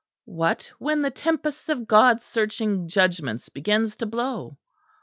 What when the tempest of God's searching judgments begins to blow?